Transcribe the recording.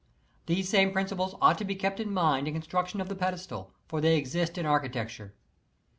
These same principles ought to be kept in mind in the construction of the pedestal, for they exist in architec ture.